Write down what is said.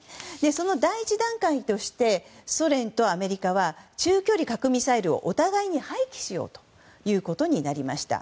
その第１段階としてソ連とアメリカは中距離核ミサイルをお互いに廃棄しようとなりました。